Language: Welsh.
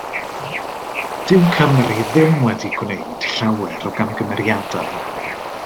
Dyw Cymru ddim wedi gwneud llawer o gamgymeriadau.